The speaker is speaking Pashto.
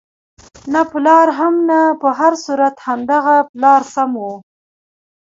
نه پلار هم نه، په هر صورت همدغه پلار سم وو.